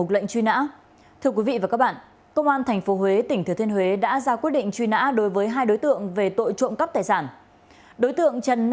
tỉnh hà tĩnh bị công an thành phố huế tỉnh thừa thiên huế truy nã về tội trộm cấp tài sản